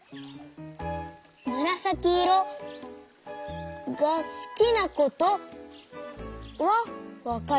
むらさきいろがすきなことはわかりました。